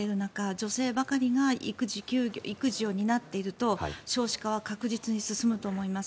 女性ばかりが育児を担っていると少子化は確実に進むと思います。